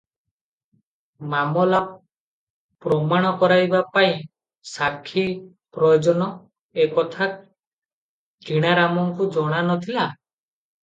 ମାମଲା ପ୍ରମାଣ କରାଇବା ପାଇଁ ସାକ୍ଷୀ ପ୍ରୟୋଜନ, ଏ କଥା କିଣାରାମଙ୍କୁ ଜଣା ନ ଥିଲା ।